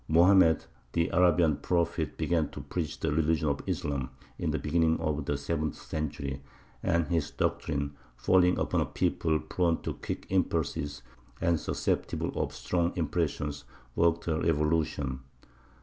Mohammed the Arabian Prophet began to preach the religion of Islam in the beginning of the seventh century, and his doctrine, falling upon a people prone to quick impulses and susceptible of strong impressions, worked a revolution.